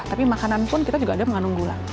tapi makanan pun kita juga ada mengandung gula